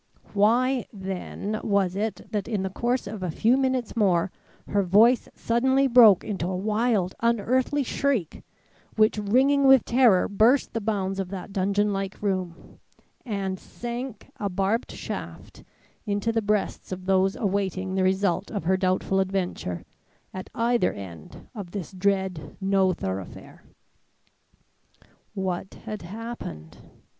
Why, then, was it that in the course of a few minutes more her voice suddenly broke into a wild, unearthly shriek, which ringing with terror burst the bounds of that dungeon like room, and sank, a barbed shaft, into the breasts of those awaiting the result of her doubtful adventure, at either end of this dread no thoroughfare. What had happened?